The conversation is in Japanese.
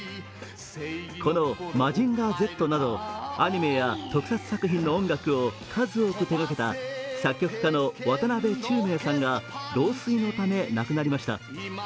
この「マジンガーＺ」などアニメや特撮作品の音楽を数多く手がけた作曲家の渡辺宙明さんが老衰のため亡くなりました。